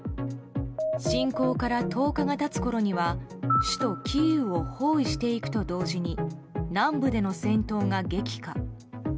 侵攻から１０日が経つころには首都キーウを包囲していくと同時に南部での戦闘が激化。